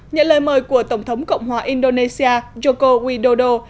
nhận lời mời của tổng thống cộng hòa indonesia joko widodo